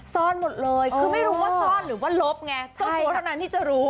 ซ่อนหมดเลยคือไม่รู้ว่าซ่อนหรือว่าลบไงเจ้าตัวเท่านั้นที่จะรู้